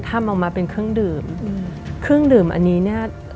ทำออกมาเป็นเครื่องดื่มอืมเครื่องดื่มอันนี้เนี่ย